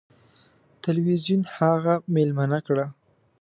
تلویزیون هغه میلمنه کړه.